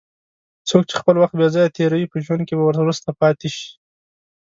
څوک چې خپل وخت بې ځایه تېروي، په ژوند کې به وروسته پاتې شي.